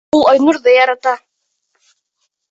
Ул Айнурҙы ярата.